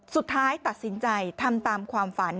สุดท้ายตัดสินใจทำตามความฝัน